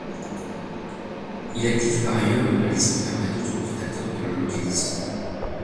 Il active par ailleurs une balise qui permet à d'autres Predators de le localiser.